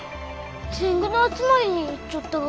天狗の集まりに行っちょったが？